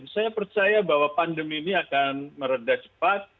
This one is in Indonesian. saya percaya bahwa pandemi ini akan meredah cepat